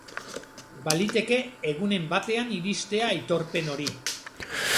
Baliteke egunen batean iristea aitorpen hori.